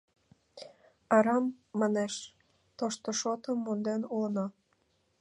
Арам, манеш, тошто шотым монден улына.